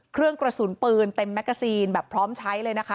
เครื่องกระสุนปืนเต็มแมกกาซีนแบบพร้อมใช้เลยนะคะ